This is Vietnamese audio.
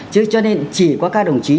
chứ cho nên chỉ qua các đồng chí